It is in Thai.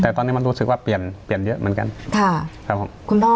แต่ตอนนี้มันรู้สึกว่าเปลี่ยนเปลี่ยนเยอะเหมือนกันค่ะครับผมคุณพ่อ